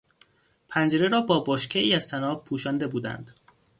پنجره را با شبکهای از طناب پوشانده بودند.